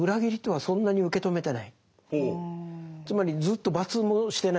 つまりずっと罰もしてないし。